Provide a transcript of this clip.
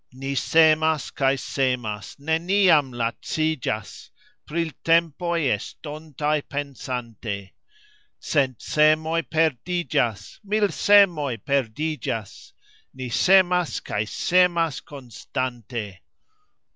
Ni semas kaj semas, neniam lacigxas, Pri l' tempoj estontaj pensante. Cent semoj perdigxas, mil semoj perdigxas, Ni semas kaj semas konstante.